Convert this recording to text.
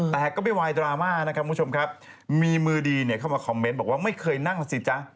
แต่ก็ไม่วายดราม่านะครับคุณผู้ชมครับมีมือดีเนี่ยเข้ามาคอมเมนต์บอกว่าไม่เคยนั่งแล้วสิจ๊ะ